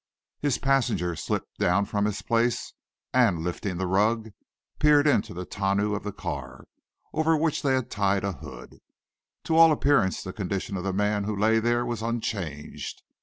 His passenger slipped down from his place, and, lifting the rug, peered into the tonneau of the car, over which they had tied a hood. To all appearance, the condition of the man who lay there was unchanged.